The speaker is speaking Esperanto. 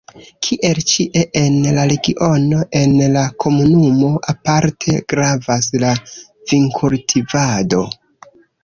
Kiel ĉie en la regiono, en la komunumo aparte gravas la vinkultivado.